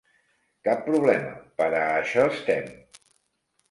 Cap problema, per a això estem.